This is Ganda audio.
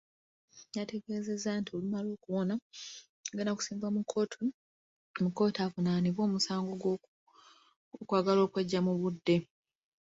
Yategeezezza nti olumala okuwona agenda kusimbibwa mu kkooti avunaanibwe omusango gw'okwagala okweggya mu budde.